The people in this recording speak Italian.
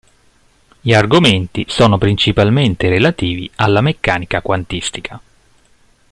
Gli argomenti sono principalmente relativi alla meccanica quantistica.